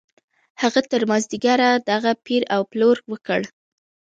هغه تر مازديګره دغه پېر او پلور وکړ.